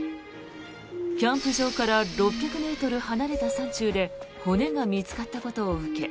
キャンプ場から６００ｍ離れた山中で骨が見つかったことを受け